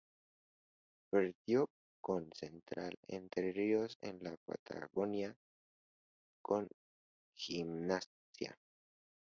Perdió con Central en Entre Ríos y en la Patagonia con Gimnasia.